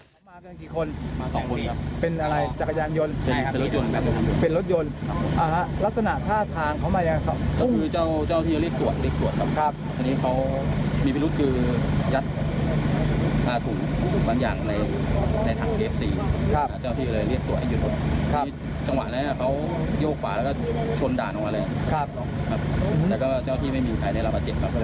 แต่ก็เจ้าที่ไม่มีใครในรับประเทศครับก็เลยเลยติดตาม